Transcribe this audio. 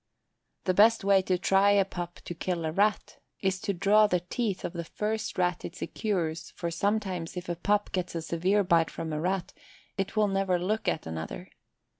The best way to try a pup to kill a Rat is to draw the teeth of the first Rat it secures for sometimes if a pup gets a severe bite from a Rat it will never look at another.